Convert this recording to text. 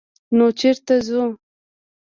_نو چېرته ځو؟